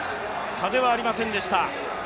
風はありませんでした。